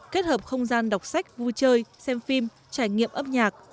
kết hợp không gian đọc sách vui chơi xem phim trải nghiệm âm nhạc